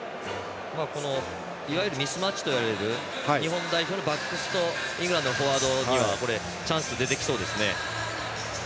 ミスマッチといわれる日本代表のバックスとイングランドのフォワードにはチャンス出てきそうですね。